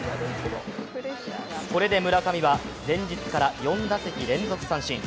これで村上は前日から４打席連続三振。